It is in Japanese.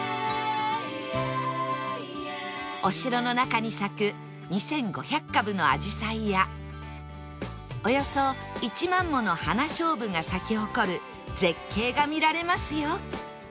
お城の中に咲く２５００株のアジサイやおよそ１万ものハナショウブが咲き誇る絶景が見られますよ